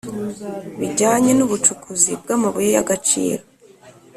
Bijyanye n ubucukuzi bw amabuye y agaciro